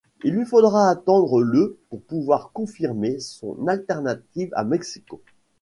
Il lui faudra attendre le pour pouvoir confirmer son alternative à Mexico.